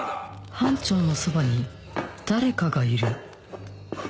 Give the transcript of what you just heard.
班長のそばに誰かがいる